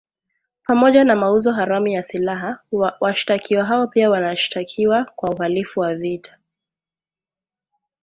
Pamoja na mauzo haramu ya silaha, washtakiwa hao pia wanashtakiwa kwa uhalifu wa vita